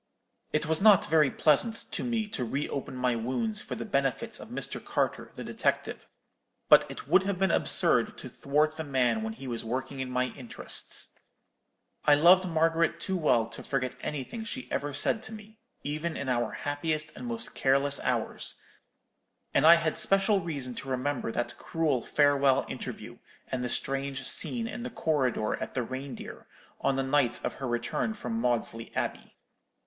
"It was not very pleasant to me to re open my wounds for the benefit of Mr. Carter the detective; but it would have been absurd to thwart the man when he was working in my interests. I loved Margaret too well to forget anything she ever said to me, even in our happiest and most careless hours: and I had special reason to remember that cruel farewell interview, and the strange scene in the corridor at the Reindeer, on the night of her return from Maudesley Abbey.